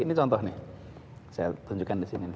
ini contoh nih saya tunjukkan di sini